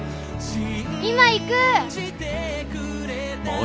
今行く！